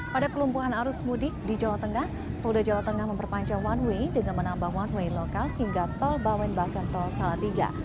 pada kelumpuhan arus mudik di jawa tengah polda jawa tengah memperpanjang one way dengan menambah one way lokal hingga tol bawen bakar tol salatiga